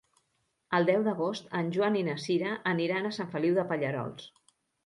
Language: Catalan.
El deu d'agost en Joan i na Sira aniran a Sant Feliu de Pallerols.